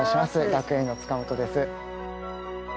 学芸員の塚本です。